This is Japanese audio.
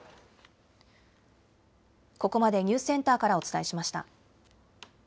ここまでニュースセンターからお伝えしました。